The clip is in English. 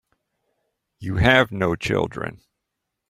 You have no children.